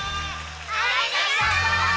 ありがとう！